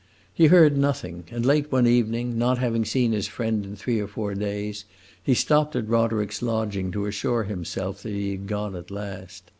He heard nothing, and late one evening, not having seen his friend in three or four days, he stopped at Roderick's lodging to assure himself that he had gone at last.